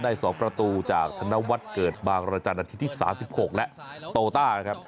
ได้สองประตูจากธนวัตรเกิดบางราชาอาทิตย์ที่สามสิบหกและโตว์ต้านะครับ